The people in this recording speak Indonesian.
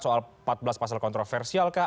soal empat belas pasal kontroversialkah